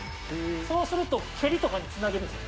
そうすると、蹴りとかにつなげるんですよ。